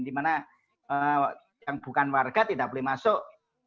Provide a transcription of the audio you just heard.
di mana yang bukan warga tidak boleh masuk